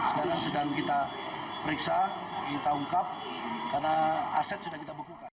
sekarang sedang kita periksa kita ungkap karena aset sudah kita bekukan